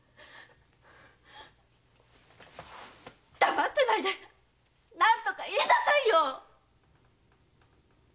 黙ってないで何とか言いなさいよ‼